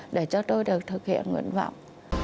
để cho tôi được thực hiện nguyện vọng